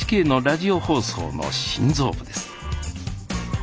ＮＨＫのラジオ放送の心臓部です。